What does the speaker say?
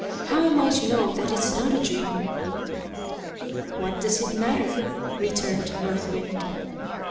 How am I to know that it's not a dream?" "What does it matter?" returned North Wind.